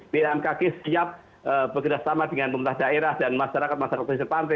bnmkg siap bergerak sama dengan pemerintah daerah dan masyarakat masyarakat di jepang